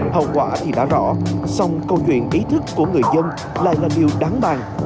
hậu quả thì đã rõ xong câu chuyện ý thức của người dân lại là điều đáng bàn